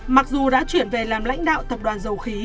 mặc dù đã chuyển về làm lãnh đạo tập đoàn dầu khí